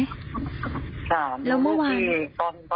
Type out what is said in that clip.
นทรบดิจ